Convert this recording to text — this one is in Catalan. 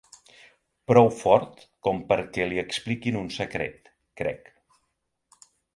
Prou fort com perquè li expliquin un secret, crec.